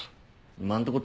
今んとこ